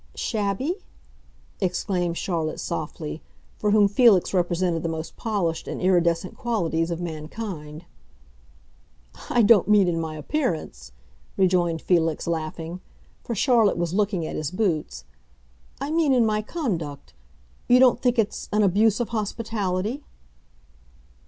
"Shabby?" exclaimed Charlotte softly, for whom Felix represented the most polished and iridescent qualities of mankind. "I don't mean in my appearance," rejoined Felix, laughing; for Charlotte was looking at his boots. "I mean in my conduct. You don't think it's an abuse of hospitality?"